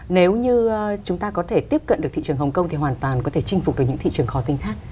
nếu như chúng ta có thể tiếp cận được thị trường hồng kông thì hoàn toàn có thể chinh phục được những thị trường khó tinh khác